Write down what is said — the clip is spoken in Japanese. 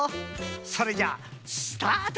それじゃスタート！